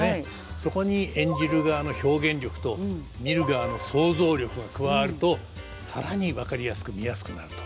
そこに演じる側の表現力と見る側の想像力が加わると更に分かりやすく見やすくなると。